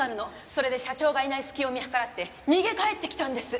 それで社長がいない隙を見計らって逃げ帰ってきたんです。